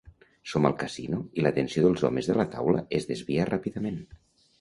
Som al casino i l'atenció dels homes de la taula es desvia ràpidament.